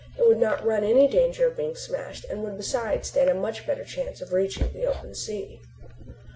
It would not run any danger of being smashed and would besides stand a much better chance of reaching the open sea.